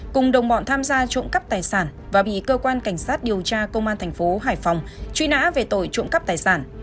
cùng đồng bọn tham gia trộm cắp tài sản và bị cơ quan cảnh sát điều tra công an thành phố hải phòng truy nã về tội trộm cắp tài sản